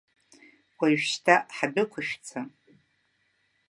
Уажәшьҭа ҳдәықәышәҵа.